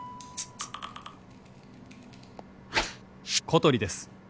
「小鳥です